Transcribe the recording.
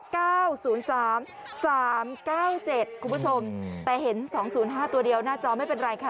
คุณผู้ชมแต่เห็น๒๐๕ตัวเดียวหน้าจอไม่เป็นไรค่ะ